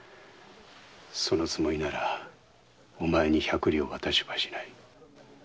そのつもりならお前に百両渡しはしない。